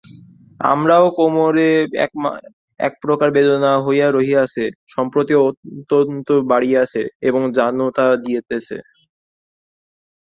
আমারও কোমরে একপ্রকার বেদনা হইয়া রহিয়াছে, সম্প্রতি অত্যন্ত বাড়িয়াছে এবং যাতনা দিতেছে।